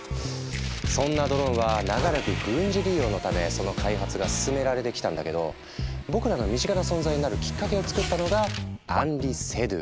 そんなドローンは長らく軍事利用のためその開発が進められてきたんだけど僕らの身近な存在になるきっかけを作ったのがアンリ・セドゥ。